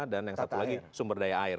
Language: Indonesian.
dan yang satu lagi sumber daya air